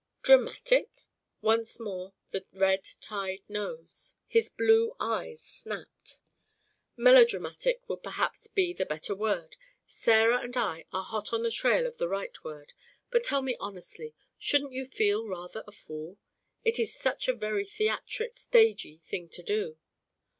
"Dramatic?" Once more the red tide rose. His blue eyes snapped. "Melodramatic would perhaps be the better word. Sarah and I are hot on the trail of the right word. But tell me honestly shouldn't you feel rather a fool? It is such a very theatric stagey thing to do."